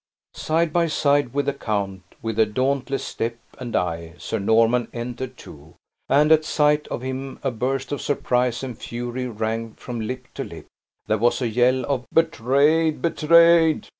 Side by side with the count, with a dauntless step and eye, Sir Norman entered, too; and, at sight of him a burst of surprise and fury rang from lip to lip. There was a yell of "Betrayed, betrayed!"